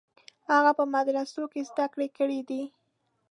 هغه په مدرسو کې زده کړې کړې دي.